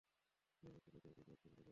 নিরাপত্তার চাদরে ঢেকে আছে পুরো জায়গাটা।